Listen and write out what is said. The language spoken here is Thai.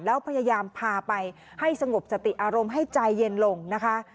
แล้วพยายามพาไปให้สงบสติอารมณ์ให้ใจเย็นลงนะคะ